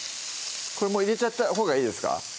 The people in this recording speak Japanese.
これ入れちゃったほうがいいですか？